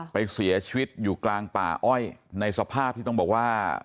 ไปเสียชีวิตอยู่กลางป่าอ้อยในสภาพที่ต้องบอกว่า